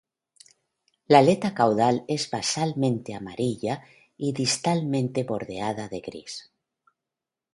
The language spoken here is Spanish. La aleta caudal es basalmente amarilla y distalmente bordeada de gris.